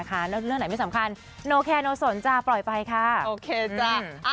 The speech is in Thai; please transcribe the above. ต้องดูกันต่อไปนะคะ